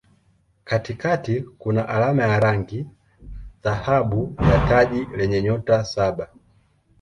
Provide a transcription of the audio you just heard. Katikati kuna alama ya rangi dhahabu ya taji lenye nyota saba.